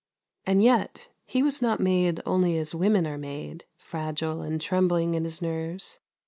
And yet he was not made only as women are made, fragile and trembling in his nerves.